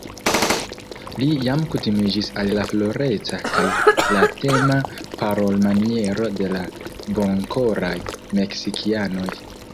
Li jam kutimiĝis al la floreca kaj flatema parolmaniero de la bonkoraj Meksikianoj.